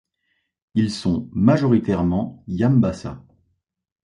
Ils sont majoritairement Yambassa.